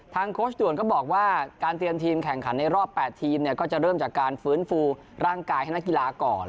โค้ชด่วนก็บอกว่าการเตรียมทีมแข่งขันในรอบ๘ทีมเนี่ยก็จะเริ่มจากการฟื้นฟูร่างกายให้นักกีฬาก่อน